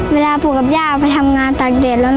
เวลาปู่กับย่าไปทำงานตากแดดแล้ว